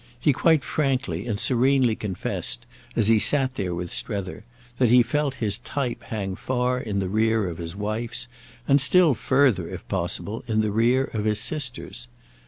He quite frankly and serenely confessed, as he sat there with Strether, that he felt his type hang far in the rear of his wife's and still further, if possible, in the rear of his sister's.